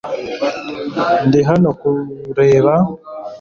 Ndi hano kureba .